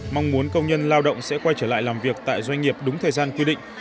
mong muốn công nhân lao động sẽ quay trở lại làm việc tại doanh nghiệp đúng thời gian quy định